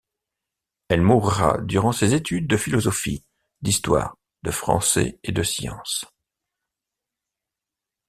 Elle mourra durant ses études de philosophie, d'histoire, de français et de sciences.